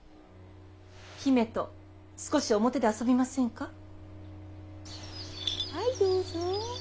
姫と少し表で遊びませんか。